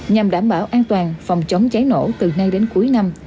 nhằm đảm bảo an toàn phòng chống cháy nổ từ nay đến cuối năm